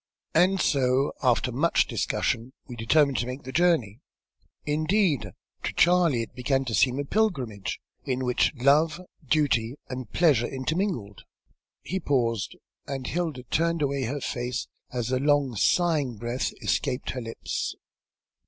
And so, after much discussion we determined to make the journey. Indeed, to Charley it began to seem a pilgrimage, in which love, duty, and pleasure intermingled." He paused, and Hilda turned away her face as a long sighing breath escaped his lips.